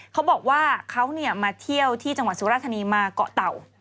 เขาบอกว่าเขามาเที่ยวที่จังหวัดสุราธานีมาเกาะเต่า